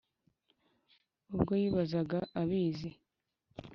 Ubwo yibazaga abizi